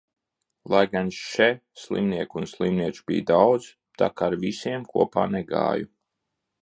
Lai gan še slimnieku un slimnieču bija daudz, tak ar visiem kopā negāju.